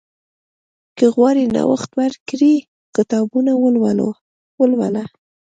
که غواړې نوښت وکړې، کتابونه ولوله.